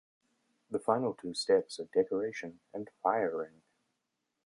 The final two steps are decoration and firing.